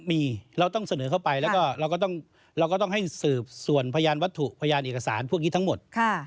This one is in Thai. มีเราต้องเสนอเข้าไปแล้วก็เราก็ต้องให้สืบส่วนพยานวัตถุพยานเอกสารพวกนี้ทั้งหมด